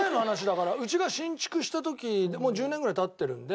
家が新築した時もう１０年ぐらい経ってるんで。